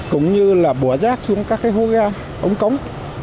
cũng như là bỏ rác xuống các cái hố gác ống cống